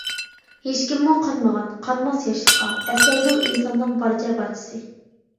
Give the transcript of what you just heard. ھېچكىممۇ قانمىغان قانماس ياشلىققا ئەسلەيدۇ ئىنساننىڭ بارچە بارچىسى.